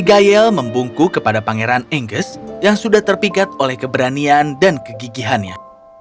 dan saya juga berterima kasih kepada pangaran enggas yang sudah terpikat oleh keberanian dan kegigihannya